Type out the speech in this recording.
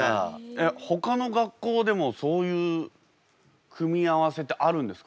えっほかの学校でもそういう組み合わせってあるんですか？